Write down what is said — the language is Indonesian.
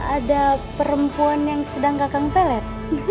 ada perempuan yang sedang gagang pelet